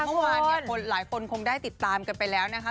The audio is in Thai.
เมื่อวานเนี่ยหลายคนคงได้ติดตามกันไปแล้วนะคะ